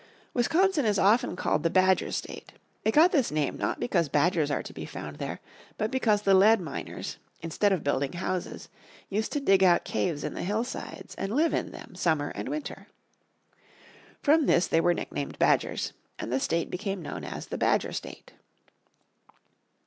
Wisconsin is often called the Badger State. It got this name not because badgers are to be found there, but because the lead miners, instead of building houses, used to dig out caves in the hillsides and live in them summer and winter. From this they were nicknamed Badgers, and the state became known as the Badger State.